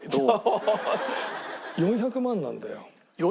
４００万なんだよ。